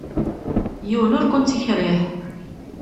Yiwen ur kent-yekṛih.